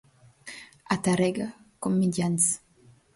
A Tàrrega, comediants.